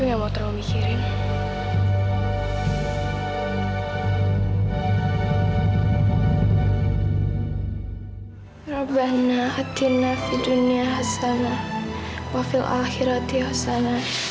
aku gak mau terlalu mikirin